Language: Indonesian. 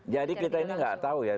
jadi kita ini tidak tahu ya